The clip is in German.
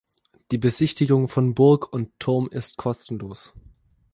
Die Besichtigung von Burg und Turm ist kostenlos.